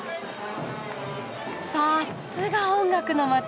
さすが音楽の街！